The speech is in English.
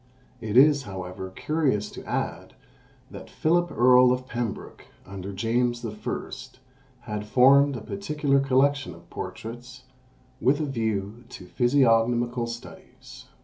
It is, however, curious to add, that Philip Earl of Pembroke, under James I., had formed a particular collection of portraits, with a view to physiognomical studies.